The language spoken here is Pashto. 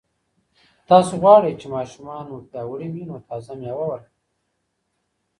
که تاسو غواړئ چې ماشومان مو پیاوړي وي، نو تازه مېوه ورکړئ.